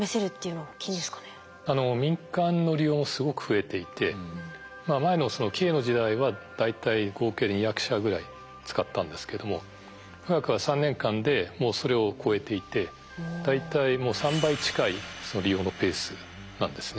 民間の利用もすごく増えていて前の「京」の時代は大体合計で２００社ぐらい使ったんですけども「富岳」は３年間でもうそれを超えていて大体もう３倍近い利用のペースなんですね。